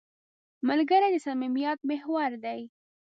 ملګری د صمیمیت محور دی